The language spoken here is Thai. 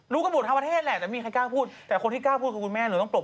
รู้เพราะพี่มัวดำ